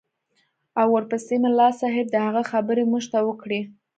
او ورپسې ملا صاحب د هغه خبرې موږ ته وکړې.